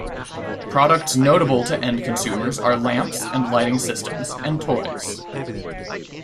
Products notable to end consumers are lamps and lighting systems and toys.